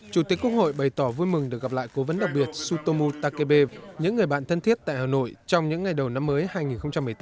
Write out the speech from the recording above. chủ tịch quốc hội bày tỏ vui mừng được gặp lại cố vấn đặc biệt sutomu takebe những người bạn thân thiết tại hà nội trong những ngày đầu năm mới hai nghìn một mươi tám